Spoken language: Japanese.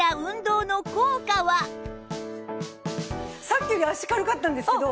さっきより足軽かったんですけど。